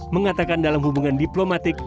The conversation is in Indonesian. mengatakan dalam hubungan diplomatik